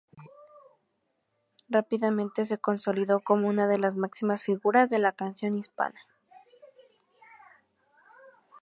Rápidamente se consolidó como una de las máximas figuras de la canción hispana.